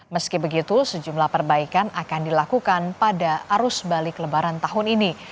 meski begitu sejumlah perbaikan akan dilakukan pada arus balik lebaran tahun ini